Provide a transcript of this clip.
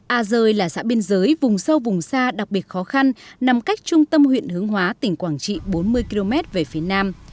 a rơi là xã biên giới vùng sâu vùng xa đặc biệt khó khăn nằm cách trung tâm huyện hướng hóa tỉnh quảng trị bốn mươi km về phía nam